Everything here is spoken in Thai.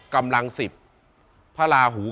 ภาราหู๑๒